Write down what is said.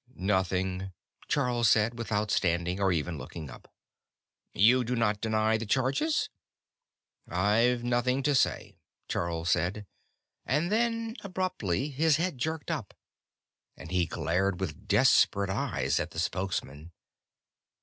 "Nothing," Charl said, without standing, or even looking up. "You do not deny the charges?" "I've nothing to say," Charl said, but then, abruptly, his head jerked up, and he glared with desperate eyes at the Spokesman.